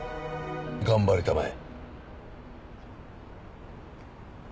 頑張りたまえ。